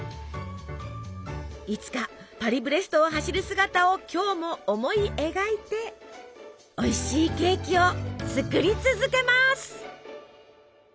いつかパリブレストを走る姿を今日も思い描いておいしいケーキを作り続けます！